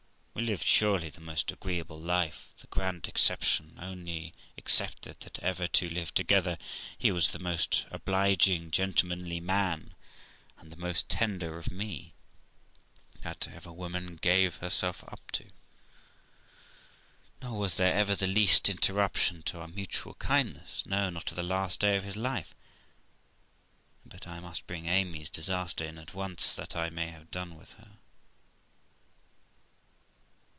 We lived, surely, the most agreeable life, the grand exception only excepted, that ever two lived together. He was the most obliging, gentle manly man, and the most tender of me, that ever woman gave herself up to. Nor was there ever the least interruption to our mutual kindness, no, not to the last day of his life. But I must bring Amy's disaster in at once, that I may have done with her.